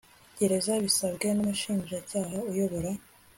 Gereza bisabwe n Umushinjacyaha uyobora